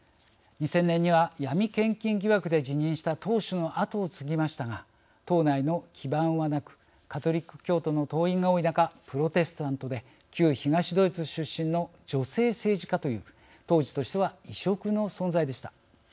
２０００年には闇献金疑惑で辞任した党首のあとを継ぎましたが党内の基盤はなくカトリック教徒の党員が多い中プロテスタントで旧東ドイツ出身の女性政治家という当時としては異色の存在でした。